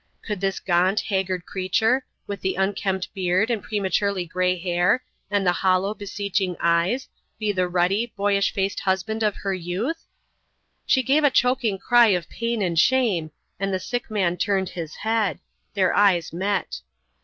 Could this gaunt, haggard creature, with the unkempt beard and prematurely grey hair and the hollow, beseeching eyes, be the ruddy, boyish faced husband of her youth? She gave a choking cry of pain and shame, and the sick man turned his head. Their eyes met.